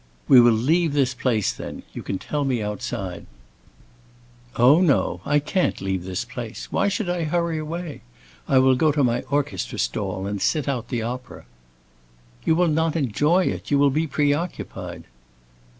"We will leave this place, then. You can tell me outside." "Oh no, I can't leave this place, why should I hurry away? I will go to my orchestra stall and sit out the opera." "You will not enjoy it; you will be preoccupied."